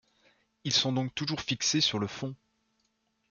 Ils sont donc toujours fixés sur le fond.